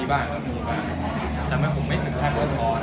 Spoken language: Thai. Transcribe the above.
ทำให้ผมไม่ถึงพื้นทางว่าท้อ